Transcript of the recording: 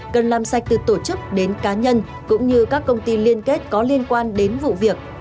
cần làm sạch từ tổ chức đến cá nhân cũng như các công ty liên kết có liên quan đến vụ việc